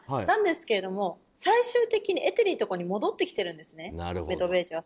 なんですが、最終的にエテリのところに戻ってきているんですね。